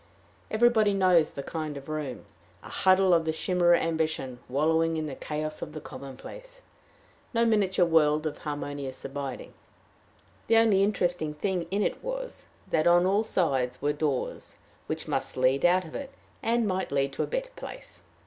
Everybody knows the kind of room a huddle of the chimera ambition wallowing in the chaos of the commonplace no miniature world of harmonious abiding. The only interesting thing in it was, that on all sides were doors, which must lead out of it, and might lead to a better place.